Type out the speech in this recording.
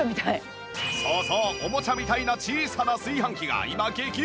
そうそうオモチャみたいな小さな炊飯器が今激売れ中